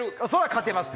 勝てます